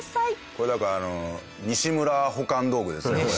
これだからあの西村保管道具ですねこれ。